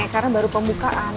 karena baru pembukaan